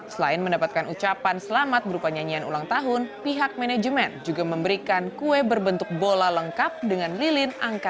selain mendapatkan ucapan selamat berupa nyanyian ulang tahun pihak manajemen juga memberikan kue berbentuk bola lengkap dengan lilin angkatan